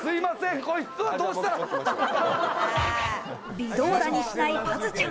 微動だにしないパズちゃん。